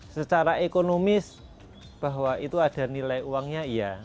secara ekonomis bahwa itu ada nilai uangnya iya